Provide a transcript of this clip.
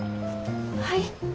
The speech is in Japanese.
はい。